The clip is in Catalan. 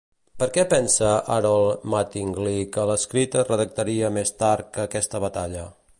Per què pensa Harold Mattingly que l'escrit es redactaria més tard que aquesta batalla?